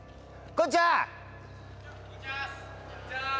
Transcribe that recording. こんにちは！